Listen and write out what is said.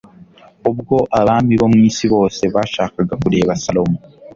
ubwo abami bo mu isi bose bashakaga kureba salomo